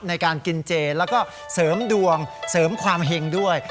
ในการกินเจแล้วก็เสริมดวงเสริมความเห็งด้วย